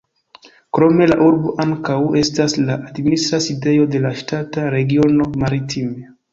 Krome la urbo ankaŭ estas la administra sidejo de la ŝtata regiono "Maritime".